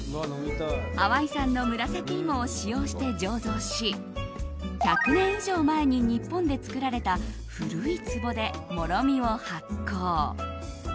ハワイ産の紫イモを使用して醸造し１００年以上前に日本で造られた古いつぼで、もろみを発酵。